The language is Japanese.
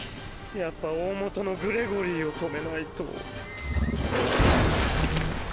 やっぱ大もとのグレゴリーを止めないと。